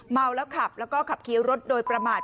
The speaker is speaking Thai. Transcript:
เมาแล้วขับแล้วก็ขับเคี้ยวรถโดยประมาท